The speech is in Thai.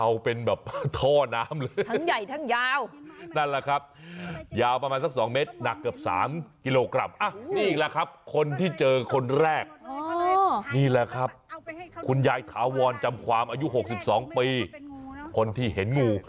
เห็นไม้มันหักก็เลยจะจับไม้ขึ้นก็มองเห็นงู